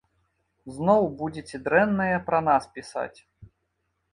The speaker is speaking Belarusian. Зноў будзеце дрэннае пра нас пісаць.